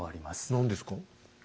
何ですか？